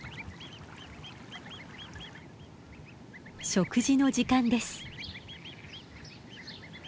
食事の時間です。